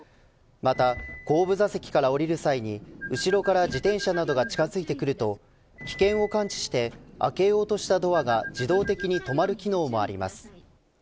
また後部座席から降りる際に後ろから自転車などが近付いてくると危険を感知して開けようとしたドアが自動的に止まる機能もあります。